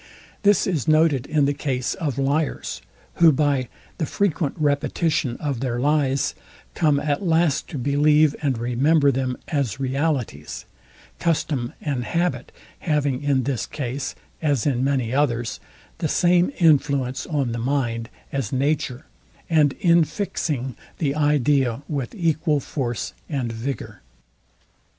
This is noted in the case of liars; who by the frequent repetition of their lies, come at last to believe and remember them, as realities; custom and habit having in this case, as in many others, the same influence on the mind as nature, and infixing the idea with equal force and vigour.